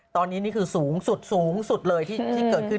ตอนนี้นี่คือสูงสุดสูงสุดเลยที่เกิดขึ้น